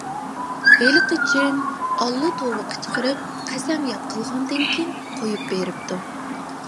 ھېلىقى جىن ئاللا-توۋا قىچقىرىپ قەسەمياد قىلغاندىن كېيىن قويۇپ بېرىپتۇ.